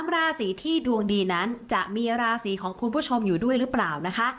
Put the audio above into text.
ราศีที่ดวงดีนั้นจะมีราศีของคุณผู้ชมอยู่ด้วยหรือเปล่านะคะ